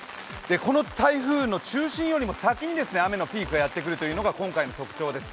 この台風の中心よりも先に雨のピークがやってくるのが今回の特徴です。